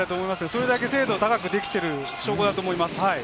それだけ精度高くできている証拠だと思います。